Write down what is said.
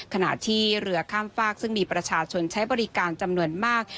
ขณะที่เรือข้ามฝากซึ่งมีประชาชนใช้บริการจำนวนมาก